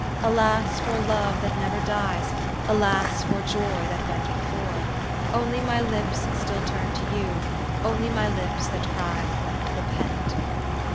Alas for love that never dies ! Alas for joy that went before! Only my lips still turn to you, Only my lips that cry, Repent."